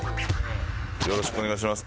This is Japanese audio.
よろしくお願いします。